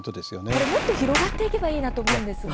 これ、もっと広がっていけばいいなと思うんですが。